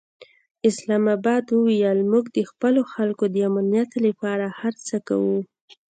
اسلام اباد وویل، موږ د خپلو خلکو د امنیت لپاره هر څه کوو.